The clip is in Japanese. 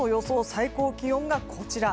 最高気温がこちら。